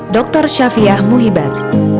dr syafiah muhibad